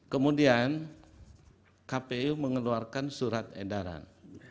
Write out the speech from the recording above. kemudian kpu mengeluarkan surat edaran